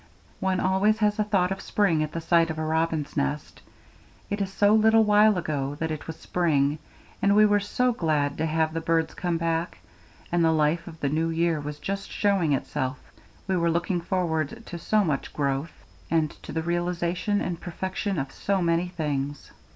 One always has a thought of spring at the sight of a robin's nest. It is so little while ago that it was spring, and we were so glad to have the birds come back, and the life of the new year was just showing itself; we were looking forward to so much growth and to the realization and perfection of so many things.